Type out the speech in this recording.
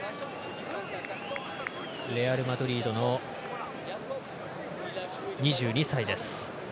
レアルマドリードの２２歳です。